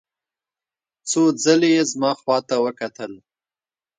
څو ځلې یې زما خواته وکتل.